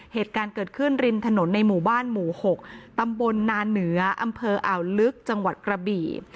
เหตุการณ์เกิดขึ้นริมถนนในหมู่บ้านหมู่๖ตำบลนาเหนืออำเภออ่าวลึกจังหวัดกระบี่